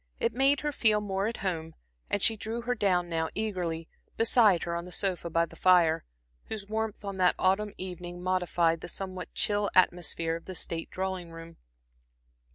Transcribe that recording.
It made her feel more at home, and she drew her down now eagerly, beside her on the sofa by the fire, whose warmth on that autumn evening modified the somewhat chill atmosphere of the state drawing room.